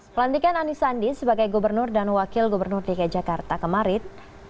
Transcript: pelantikan anies sandi sebagai gubernur dan wakil gubernur dki jakarta kemarin